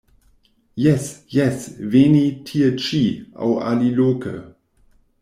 Jes, jes, veni tie-ĉi aŭ aliloke.